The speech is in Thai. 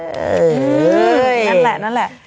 นั่นแหละ